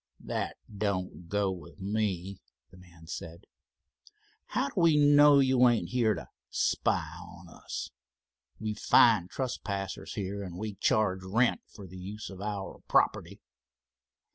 "That don't go with me," the man said. "How do we know that you ain't here to spy on us? We fine trespassers here and we charge rent for the use of our property."